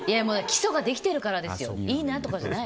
基礎ができてるからですよ。